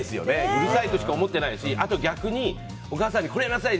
うるさいとしか思わないしあと、逆にお母さんにこれやりなさい！